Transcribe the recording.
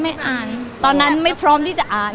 ไม่อ่านตอนนั้นไม่พร้อมที่จะอ่าน